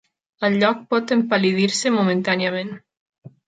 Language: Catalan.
El lloc pot empal·lidir-se momentàniament.